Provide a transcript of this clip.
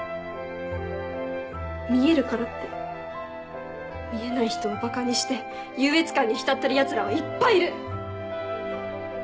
見えるからって見えない人をばかにして優越感に浸ってるヤツらはいっぱいいる。